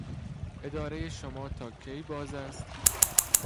ادارهی شما تا کی باز است؟